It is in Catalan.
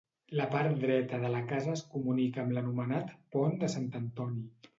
La part dreta de la casa es comunica amb l'anomenat Pont de Sant Antoni.